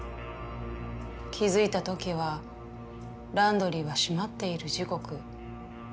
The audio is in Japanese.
気付いた時はランドリーは閉まっている時刻。